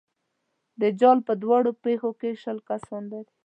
دجال په دواړو پښو کې شل کسان لري.